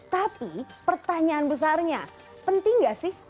tapi pertanyaan besarnya penting gak sih